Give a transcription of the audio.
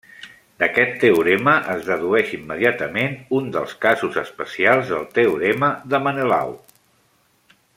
D'aquest teorema, es dedueix immediatament un dels casos especials del teorema de Menelau.